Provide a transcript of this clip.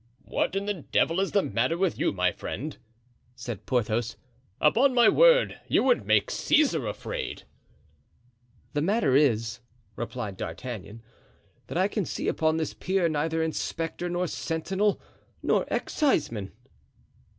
"What in the devil is the matter with you, my friend?" said Porthos. "Upon my word you would make Caesar afraid." "The matter is," replied D'Artagnan, "that I can see upon this pier neither inspector nor sentinel nor exciseman."